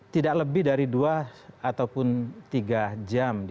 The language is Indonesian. tidak lebih dari dua ataupun tiga jam